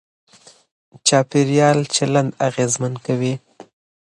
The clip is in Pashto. چاپېريال چلند اغېزمن کوي.